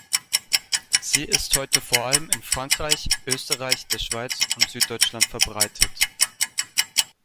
Sie ist heute vor allem in Frankreich, Österreich, der Schweiz und Süddeutschland verbreitet.